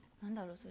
それ。